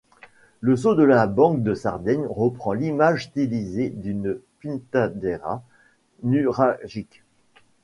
Le sceau de la Banque de Sardaigne reprend l'image stylisée d'une pintadera nuragique.